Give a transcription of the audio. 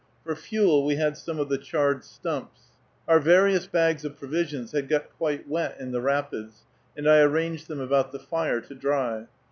For fuel we had some of the charred stumps. Our various bags of provisions had got quite wet in the rapids, and I arranged them about the fire to dry.